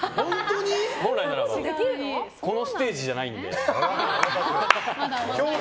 本来ならこのステージじゃないんで。